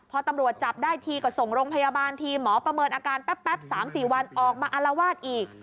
พอตำรวจจับได้ทีก็ส่งโรงพยาบาลทีหมอประเมินอาการแป๊บ๓๔วันออกมาอารวาสอีก